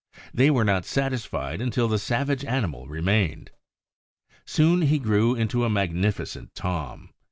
They were not satisfied until the savage animal remained. Soon he grew into a magnificent Tom.